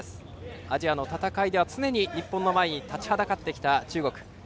アジアの戦いでは常に日本の前に立ちはだかってきた中国。